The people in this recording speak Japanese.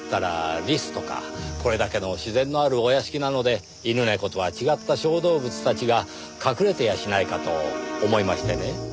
これだけの自然のあるお屋敷なので犬猫とは違った小動物たちが隠れてやしないかと思いましてね。